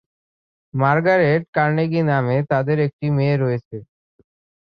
Margaret Carnegie নামে তাদের একটি মেয়ে রয়েছে।